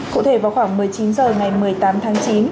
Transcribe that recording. cụ thể vào khoảng một mươi chín h ba mươi